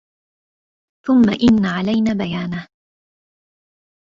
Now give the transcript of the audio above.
ثم إن علينا بيانه